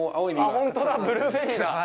本当だ、ブルーベリーだ。